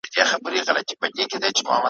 قافلې سمي ته سیخ کړي را پیدا کاروان سالار کې ,